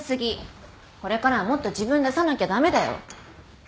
これからはもっと自分出さなきゃ駄目だよ。